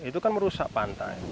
itu kan merusak pantai